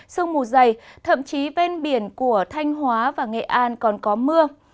sông mù dày thậm chí bên biển của thanh hóa và nghệ an còn có mưa